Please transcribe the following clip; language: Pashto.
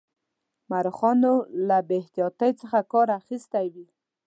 مورخینو له بې احتیاطی څخه کار اخیستی وي.